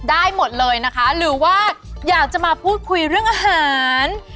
ได้หมดเลยนะคะหรือว่าอยากจะมาพูดคุยเรื่องอาหาร